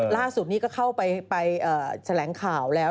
ล่าสุดนี้ก็เข้าไปแถลงข่าวแล้ว